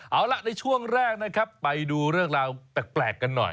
เอาล่ะในช่วงแรกนะครับไปดูเรื่องราวแปลกกันหน่อย